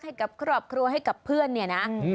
ให้กับครอบครัวให้กับเพื่อนเนี่ยนะ